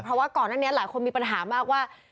เพราะว่าก่อนหน้านี้หลายคนมีปัญหามากว่า